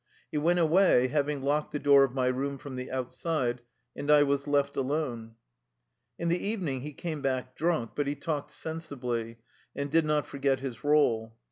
He went away, having locked the door of my room from the outside, and I was left alone. In the evening he came back drunk, but he talked sensibly, and did not forget his role.